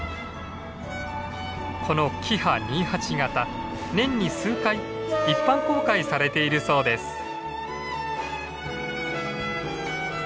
このキハ２８形年に数回一般公開されているそうです。